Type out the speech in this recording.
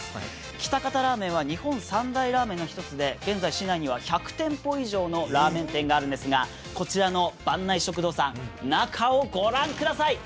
喜多方ラーメンは日本三大ラーメンの１つで現在、しないには１００店舗以上のラーメン店があるんですがこちらの坂内食堂さん、中を御覧ください。